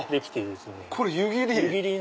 これ湯切り！